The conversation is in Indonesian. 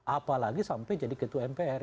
apalagi sampai jadi ketua mpr